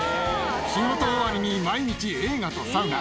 仕事終わりに毎日、映画とサウナ。